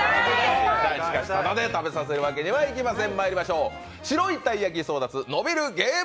しかしただで食べさせるわけにはいきません。